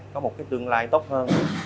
có một cái tương lai tốt hơn